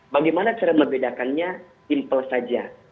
bagaimana cara membedakannya simple saja